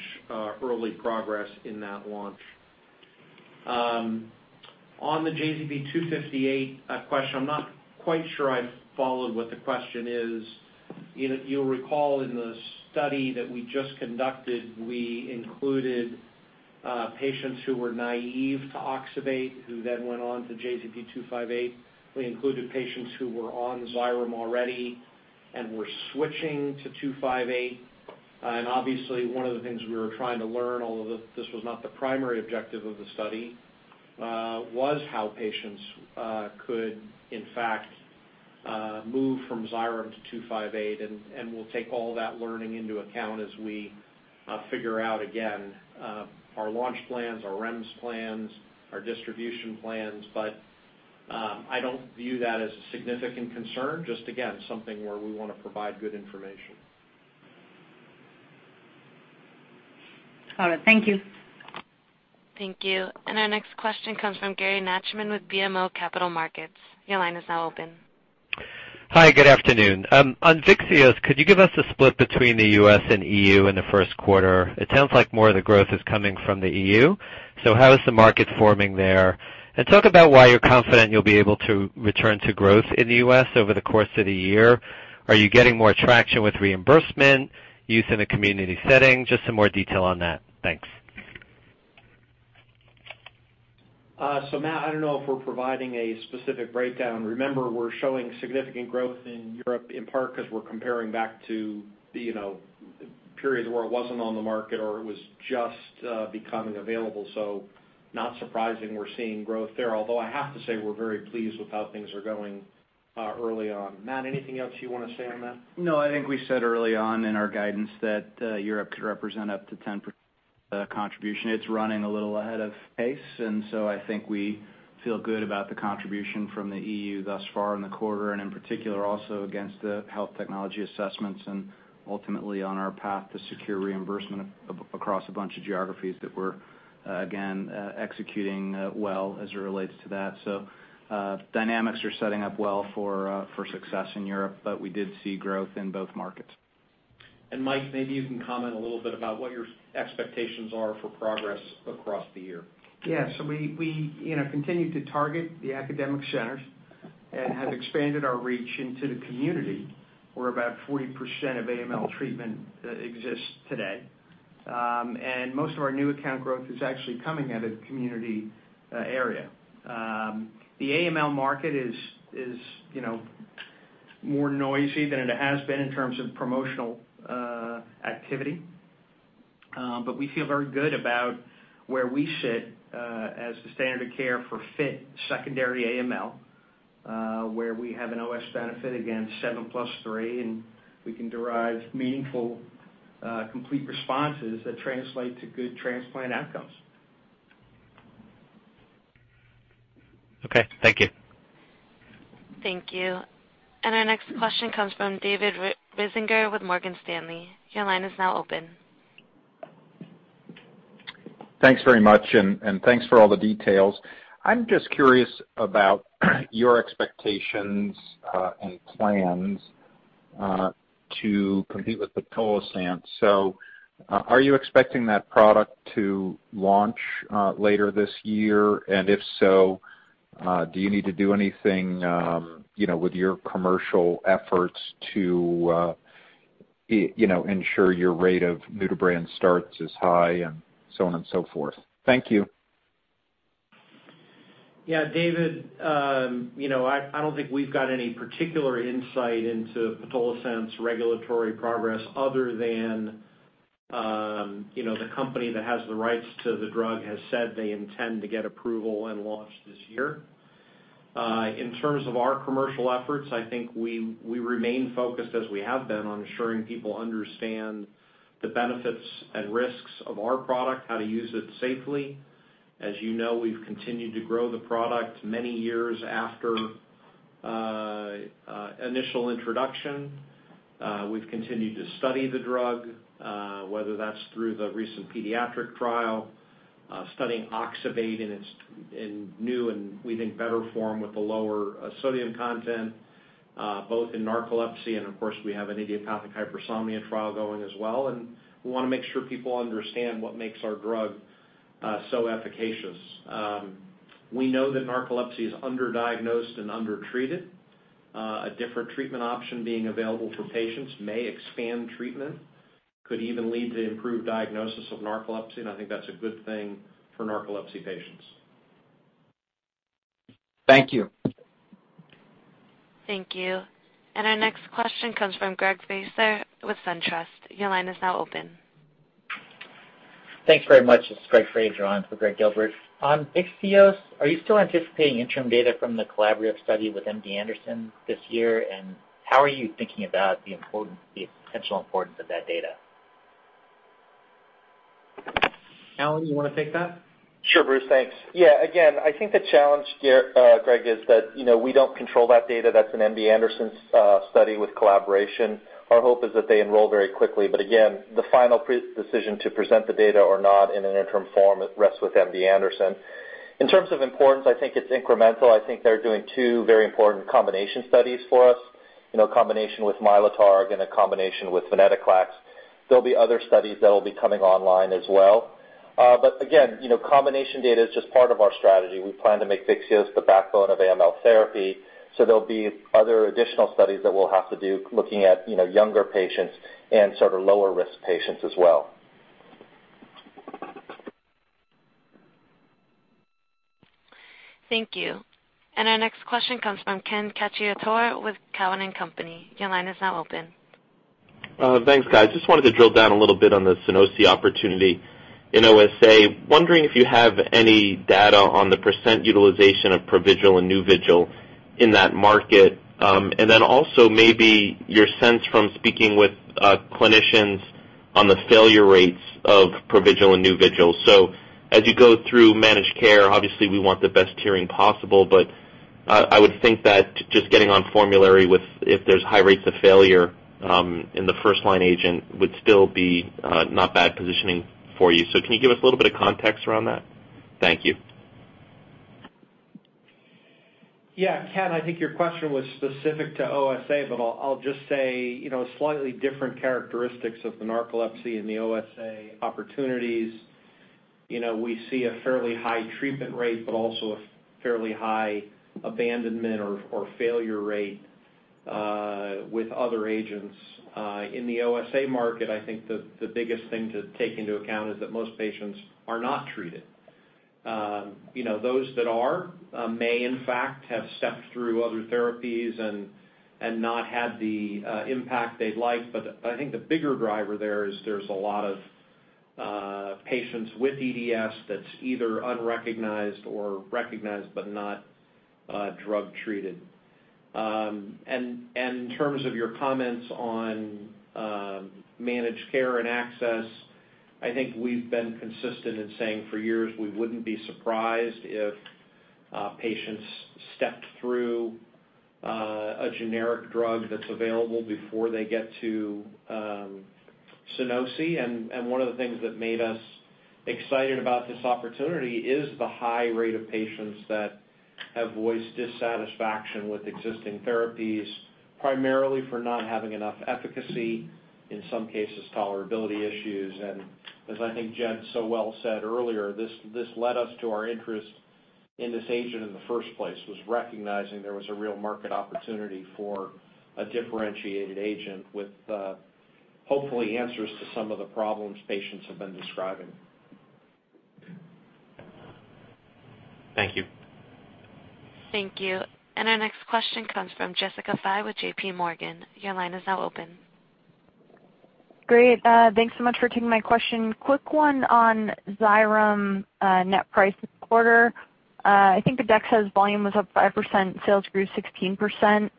early progress in that launch. On the JZP-258 question, I'm not quite sure I followed what the question is. You know, you'll recall in the study that we just conducted, we included patients who were naive to oxybate who then went on to JZP-258. We included patients who were on XYREM already and were switching to JZP-258. Obviously one of the things we were trying to learn, although this was not the primary objective of the study, was how patients could in fact move from XYREM to JZP-258. We'll take all that learning into account as we figure out again our launch plans, our REMS plans, our distribution plans. I don't view that as a significant concern, just again, something where we wanna provide good information. All right, thank you. Thank you. Our next question comes from Gary Nachman with BMO Capital Markets. Your line is now open. Hi, good afternoon. On VYXEOS, could you give us a split between the U.S. and E.U. in the first quarter? It sounds like more of the growth is coming from the E.U., so how is the market forming there? Talk about why you're confident you'll be able to return to growth in the U.S. over the course of the year. Are you getting more traction with reimbursement, use in a community setting? Just some more detail on that. Thanks. Matt, I don't know if we're providing a specific breakdown. Remember, we're showing significant growth in Europe, in part 'cause we're comparing back to the, you know, periods where it wasn't on the market or it was just becoming available. Not surprising we're seeing growth there. Although I have to say we're very pleased with how things are going, early on. Matt, anything else you wanna say on that? No, I think we said early on in our guidance that Europe could represent up to 10% contribution. It's running a little ahead of pace, and so I think we feel good about the contribution from the E.U. thus far in the quarter, and in particular also against the health technology assessments and ultimately on our path to secure reimbursement across a bunch of geographies that we're again executing well as it relates to that. Dynamics are setting up well for success in Europe, but we did see growth in both markets. Mike, maybe you can comment a little bit about what your expectations are for progress across the year. Yeah. We, you know, continue to target the academic centers and have expanded our reach into the community where about 40% of AML treatment exists today. Most of our new account growth is actually coming out of the community area. The AML market is, you know, more noisy than it has been in terms of promotional activity. We feel very good about where we sit as the standard of care for fit secondary AML, where we have an OS benefit against 7+3, and we can derive meaningful complete responses that translate to good transplant outcomes. Okay, thank you. Thank you. Our next question comes from David Risinger with Morgan Stanley. Your line is now open. Thanks very much and thanks for all the details. I'm just curious about your expectations and plans to compete with pitolisant. Are you expecting that product to launch later this year? If so, do you need to do anything, you know, with your commercial efforts to, you know, ensure your rate of new-to-brand starts is high and so on and so forth? Thank you. Yeah, David, you know, I don't think we've got any particular insight into pitolisant's regulatory progress other than, you know, the company that has the rights to the drug has said they intend to get approval and launch this year. In terms of our commercial efforts, I think we remain focused as we have been on ensuring people understand the benefits and risks of our product, how to use it safely. As you know, we've continued to grow the product many years after initial introduction. We've continued to study the drug, whether that's through the recent pediatric trial, studying oxybate in new and we think better form with a lower sodium content, both in narcolepsy and of course we have an idiopathic hypersomnia trial going as well. We wanna make sure people understand what makes our drug so efficacious. We know that narcolepsy is underdiagnosed and undertreated. A different treatment option being available for patients may expand treatment, could even lead to improved diagnosis of narcolepsy, and I think that's a good thing for narcolepsy patients. Thank you. Thank you. Our next question comes from Gregg Gilbert with SunTrust. Your line is now open. Thanks very much. This is Greg Fraser on for Gregg Gilbert. On VYXEOS, are you still anticipating interim data from the collaborative study with MD Anderson this year? How are you thinking about the importance, the potential importance of that data? Allen, you wanna take that? Sure, Bruce, thanks. Yeah. Again, I think the challenge here, Greg, is that, you know, we don't control that data. That's an MD Anderson's study with collaboration. Our hope is that they enroll very quickly, but again, the final decision to present the data or not in an interim form rests with MD Anderson. In terms of importance, I think it's incremental. I think they're doing two very important combination studies for us, you know, combination with Mylotarg and a combination with venetoclax. There'll be other studies that'll be coming online as well. Again, you know, combination data is just part of our strategy. We plan to make VYXEOS the backbone of AML therapy, so there'll be other additional studies that we'll have to do looking at, you know, younger patients and sort of lower risk patients as well. Thank you. Our next question comes from Ken Cacciatore with Cowen and Company. Your line is now open. Thanks, guys. Just wanted to drill down a little bit on the SUNOSI opportunity in OSA. Wondering if you have any data on the % utilization of Provigil and Nuvigil in that market. Then also maybe your sense from speaking with clinicians on the failure rates of Provigil and Nuvigil. As you go through managed care, obviously we want the best tiering possible, but I would think that just getting on formulary with, if there's high rates of failure in the first line agent would still be not bad positioning for you. Can you give us a little bit of context around that? Thank you. Yeah, Ken, I think your question was specific to OSA, but I'll just say, you know, slightly different characteristics of the narcolepsy and the OSA opportunities. You know, we see a fairly high treatment rate, but also a fairly high abandonment or failure rate with other agents. In the OSA market, I think the biggest thing to take into account is that most patients are not treated. You know, those that are may in fact have stepped through other therapies and not had the impact they'd like. I think the bigger driver there is there's a lot of patients with EDS that's either unrecognized or recognized, but not drug-treated. In terms of your comments on managed care and access, I think we've been consistent in saying for years we wouldn't be surprised if patients stepped through a generic drug that's available before they get to SUNOSI. One of the things that made us excited about this opportunity is the high rate of patients that have voiced dissatisfaction with existing therapies, primarily for not having enough efficacy, in some cases tolerability issues. As I think Jed so well said earlier, this led us to our interest in this agent in the first place, was recognizing there was a real market opportunity for a differentiated agent with hopefully answers to some of the problems patients have been describing. Thank you. Thank you. Our next question comes from Jessica Fye with JPMorgan. Your line is now open. Great. Thanks so much for taking my question. Quick one on XYREM, net price this quarter. I think the deck says volume was up 5%, sales grew 16%,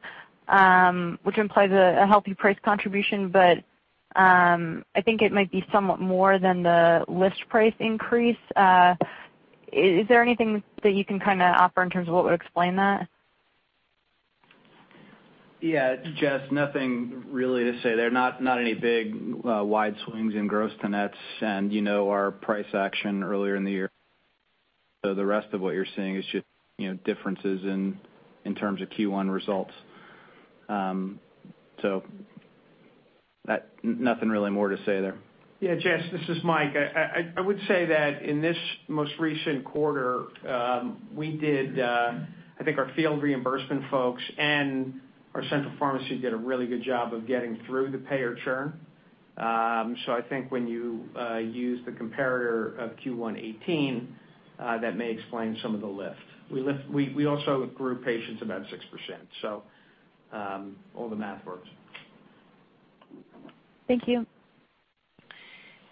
which implies a healthy price contribution, but I think it might be somewhat more than the list price increase. Is there anything that you can kinda offer in terms of what would explain that? Yeah. Jess, nothing really to say there. Not any big wide swings in gross to nets and, you know, our price action earlier in the year. The rest of what you're seeing is just, you know, differences in terms of Q1 results. Nothing really more to say there. Yeah, Jess, this is Mike. I would say that in this most recent quarter, we did, I think our field reimbursement folks and our central pharmacy did a really good job of getting through the payer churn. I think when you use the comparator of Q1 2018, that may explain some of the lift. We also grew patients about 6%, so all the math works. Thank you.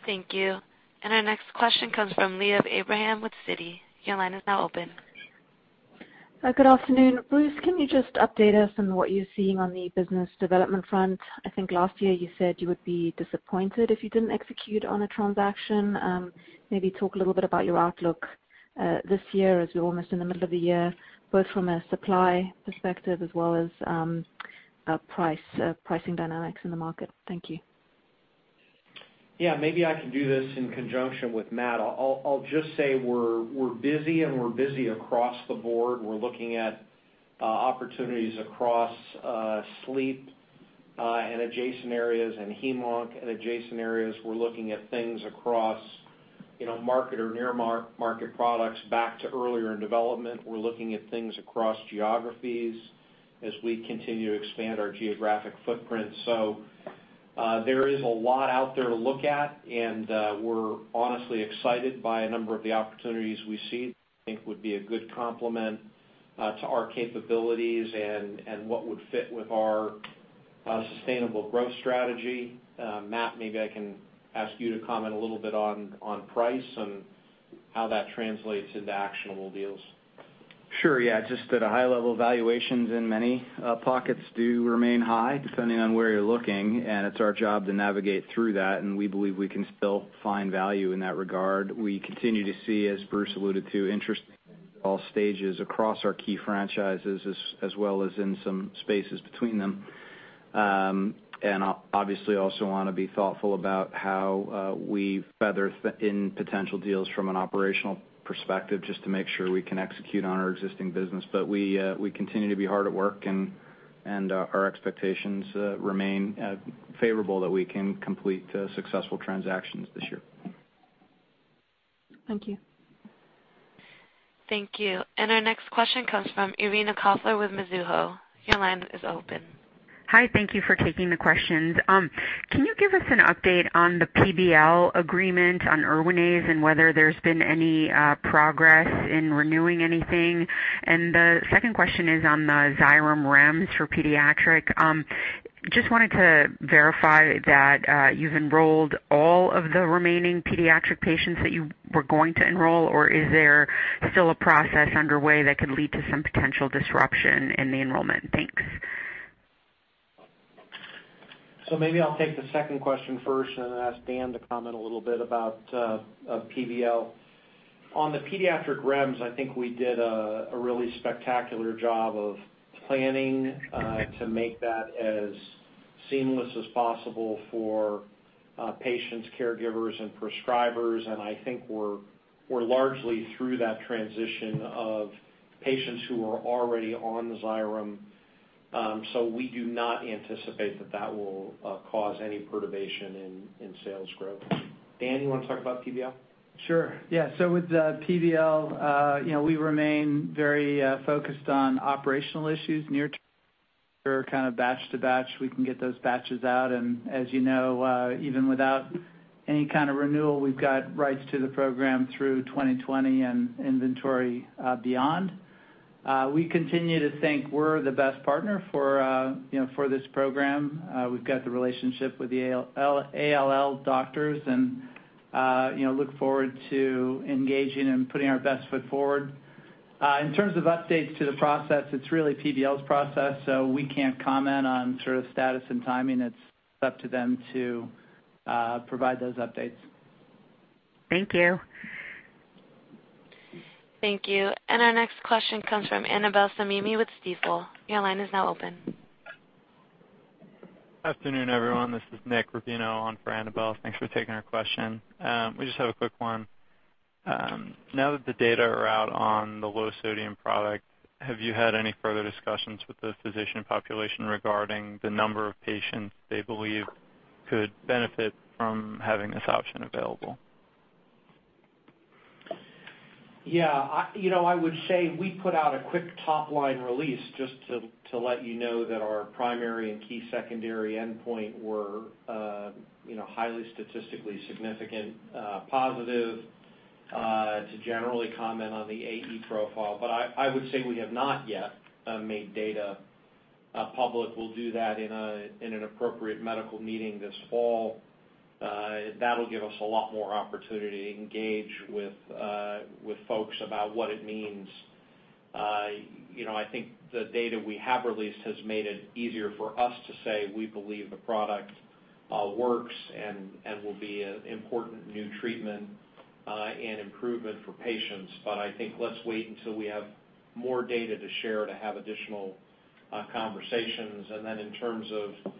Thank you. Our next question comes from Liav Abraham with Citi. Your line is now open. Good afternoon. Bruce, can you just update us on what you're seeing on the business development front? I think last year you said you would be disappointed if you didn't execute on a transaction. Maybe talk a little bit about your outlook this year as we're almost in the middle of the year, both from a supply perspective as well as pricing dynamics in the market. Thank you. Yeah, maybe I can do this in conjunction with Matt. I'll just say we're busy and we're busy across the board. We're looking at opportunities across sleep and adjacent areas in hem-onc and adjacent areas. We're looking at things across, you know, market or near-market products back to earlier in development. We're looking at things across geographies as we continue to expand our geographic footprint. There is a lot out there to look at, and we're honestly excited by a number of the opportunities we see think would be a good complement to our capabilities and what would fit with our sustainable growth strategy. Matt, maybe I can ask you to comment a little bit on price and how that translates into actionable deals. Sure, yeah. Just at a high level, valuations in many pockets do remain high depending on where you're looking, and it's our job to navigate through that, and we believe we can still find value in that regard. We continue to see, as Bruce alluded to, interest at all stages across our key franchises as well as in some spaces between them. Obviously also wanna be thoughtful about how we feather in potential deals from an operational perspective just to make sure we can execute on our existing business. We continue to be hard at work and our expectations remain favorable that we can complete successful transactions this year. Thank you. Thank you. Our next question comes from Irina Koffler with Mizuho. Your line is open. Hi, thank you for taking the questions. Can you give us an update on the PBL agreement on Erwinaze and whether there's been any progress in renewing anything? The second question is on the XYREM REMS for pediatric. Just wanted to verify that you've enrolled all of the remaining pediatric patients that you were going to enroll, or is there still a process underway that could lead to some potential disruption in the enrollment? Thanks. Maybe I'll take the second question first and ask Dan to comment a little bit about PBL. On the pediatric REMS, I think we did a really spectacular job of planning to make that as seamless as possible for patients, caregivers, and prescribers. I think we're largely through that transition of patients who are already on XYREM. We do not anticipate that will cause any perturbation in sales growth. Dan, you wanna talk about PBL? Sure, yeah. With the PBL, we remain very focused on operational issues near-term kind of batch-to-batch. We can get those batches out, and as you know, even without any kind of renewal, we've got rights to the program through 2020 and inventory beyond. We continue to think we're the best partner for, you know, for this program. We've got the relationship with the ALL doctors and, you know, look forward to engaging and putting our best foot forward. In terms of updates to the process, it's really PBL's process, so we can't comment on sort of status and timing. It's up to them to provide those updates. Thank you. Thank you. Our next question comes from Annabel Samimy with Stifel. Your line is now open. Afternoon, everyone. This is Nick Rufino on for Annabel. Thanks for taking our question. We just have a quick one. Now that the data are out on the low sodium product, have you had any further discussions with the physician population regarding the number of patients they believe could benefit from having this option available? Yeah. You know, I would say we put out a quick top-line release just to let you know that our primary and key secondary endpoint were highly statistically significant, positive, to generally comment on the AE profile. But I would say we have not yet made data public. We'll do that in an appropriate medical meeting this fall. That'll give us a lot more opportunity to engage with folks about what it means. You know, I think the data we have released has made it easier for us to say we believe the product works and will be an important new treatment and improvement for patients. I think let's wait until we have more data to share to have additional conversations. In terms of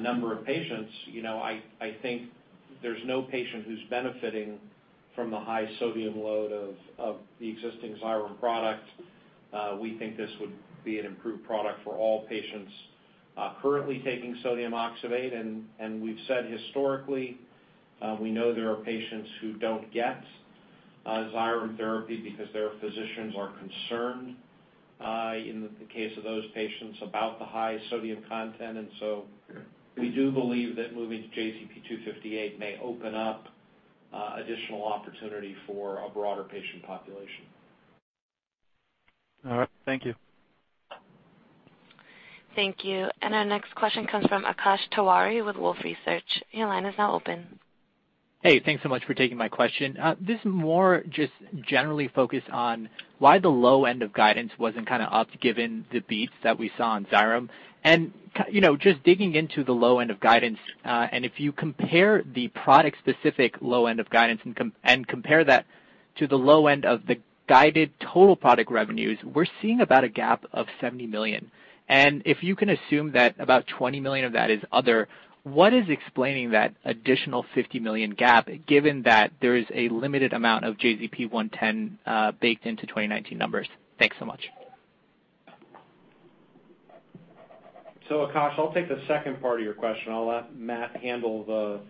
number of patients, you know, I think there's no patient who's benefiting from the high sodium load of the existing XYREM product. We think this would be an improved product for all patients currently taking sodium oxybate. We've said historically, we know there are patients who don't get XYREM therapy because their physicians are concerned, in the case of those patients, about the high sodium content. We do believe that moving to JZP-258 may open up additional opportunity for a broader patient population. All right. Thank you. Thank you. Our next question comes from Akash Tewari with Wolfe Research. Your line is now open. Hey, thanks so much for taking my question. This is more just generally focused on why the low end of guidance wasn't kinda up given the beats that we saw in XYREM. You know, just digging into the low end of guidance, and if you compare the product specific low end of guidance and compare that to the low end of the guided total product revenues, we're seeing about a gap of $70 million. If you can assume that about $20 million of that is other, what is explaining that additional $50 million gap given that there is a limited amount of JZP-110 baked into 2019 numbers? Thanks so much. Akash, I'll take the second part of your question. I'll let Matt handle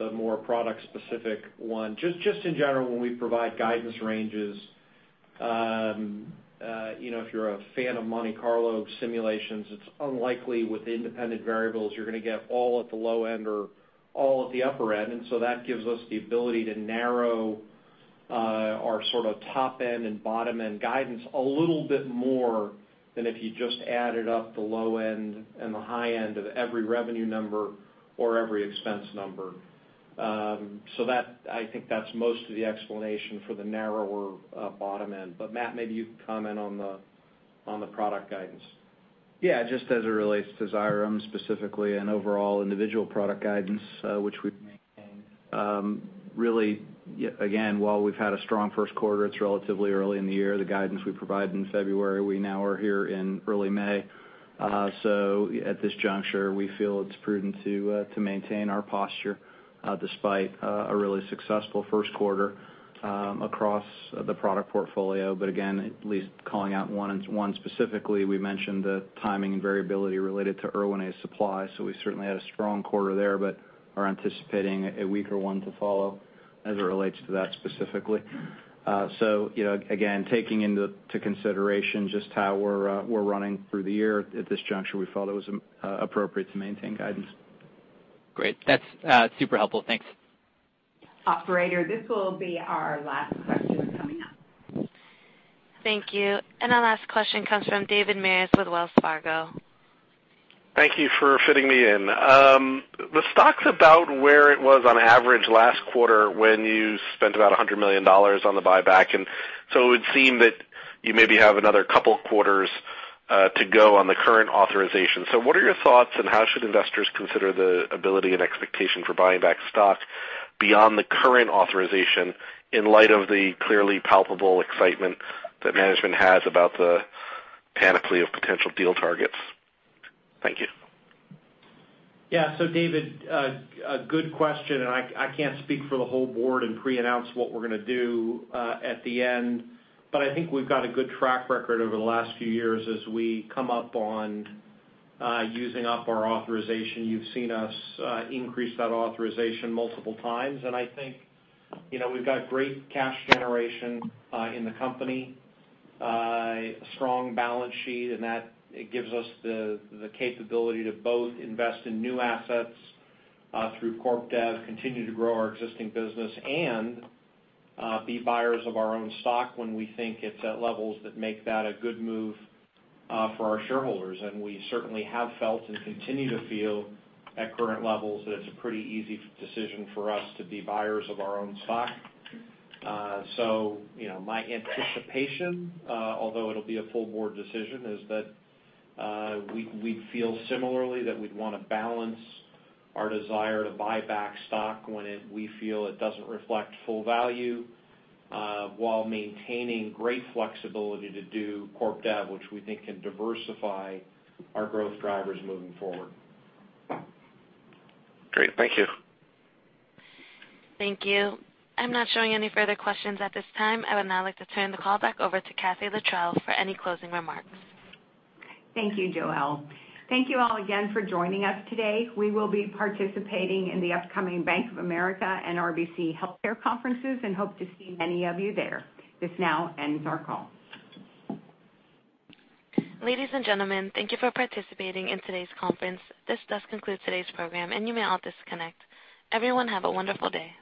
the more product specific one. Just in general, when we provide guidance ranges, you know, if you're a fan of Monte Carlo simulations, it's unlikely with independent variables you're gonna get all at the low end or all at the upper end. That gives us the ability to narrow our sort of top end and bottom end guidance a little bit more than if you just added up the low end and the high end of every revenue number or every expense number. I think that's most of the explanation for the narrower bottom end. Matt, maybe you can comment on the product guidance. Yeah, just as it relates to XYREM specifically and overall individual product guidance, which we've maintained, really again, while we've had a strong first quarter, it's relatively early in the year, the guidance we provided in February. We now are here in early May. At this juncture, we feel it's prudent to maintain our posture despite a really successful first quarter across the product portfolio. Again, at least calling out one specifically, we mentioned the timing and variability related to Erwinaze supply. We certainly had a strong quarter there, but are anticipating a weaker one to follow as it relates to that specifically. You know, again, taking into consideration just how we're running through the year at this juncture, we felt it was appropriate to maintain guidance. Great. That's super helpful. Thanks. Operator, this will be our last question coming up. Thank you. Our last question comes from David Maris with Wells Fargo. Thank you for fitting me in. The stock's about where it was on average last quarter when you spent about $100 million on the buyback. It would seem that you maybe have another couple quarters to go on the current authorization. What are your thoughts, and how should investors consider the ability and expectation for buying back stock beyond the current authorization in light of the clearly palpable excitement that management has about the panoply of potential deal targets? Thank you. Yeah. David, a good question, and I can't speak for the whole board and preannounce what we're gonna do at the end, but I think we've got a good track record over the last few years as we come up on using up our authorization. You've seen us increase that authorization multiple times. I think, you know, we've got great cash generation in the company, strong balance sheet, and that gives us the capability to both invest in new assets through corp dev, continue to grow our existing business, and be buyers of our own stock when we think it's at levels that make that a good move for our shareholders. We certainly have felt and continue to feel at current levels that it's a pretty easy decision for us to be buyers of our own stock. You know, my anticipation, although it'll be a full board decision, is that we feel similarly that we'd wanna balance our desire to buy back stock when we feel it doesn't reflect full value, while maintaining great flexibility to do corp dev, which we think can diversify our growth drivers moving forward. Great. Thank you. Thank you. I'm not showing any further questions at this time. I would now like to turn the call back over to Kathee Littrell for any closing remarks. Thank you, Joelle. Thank you all again for joining us today. We will be participating in the upcoming Bank of America and RBC Healthcare conferences and hope to see many of you there. This now ends our call. Ladies and gentlemen, thank you for participating in today's conference. This does conclude today's program, and you may all disconnect. Everyone, have a wonderful day.